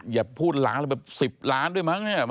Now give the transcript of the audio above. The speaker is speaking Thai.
อย่าพูดล้านแบบ๑๐ล้านด้วยมั้ง